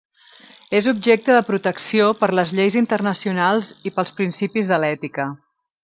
És objecte de protecció per les lleis internacionals i pels principis de l'ètica.